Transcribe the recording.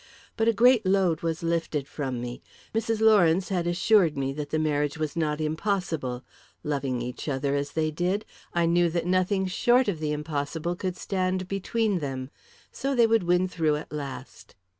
But a great load was lifted from me. Mrs. Lawrence had assured me that the marriage was not impossible; loving each other as they did, I knew that nothing short of the impossible could stand between them. So they would win through, at last.